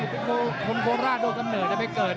เป็นคนโคลราชโยกษันเผิ่นได้ไปเกิด